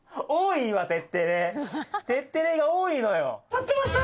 立ってました！